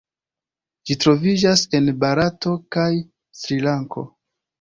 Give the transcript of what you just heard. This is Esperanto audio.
Ĝi troviĝas en Barato kaj Srilanko.